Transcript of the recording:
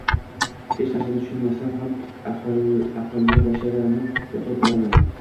- Hech narsani tushunmasam ham, "aqlli bashara"ni yoqib olaman.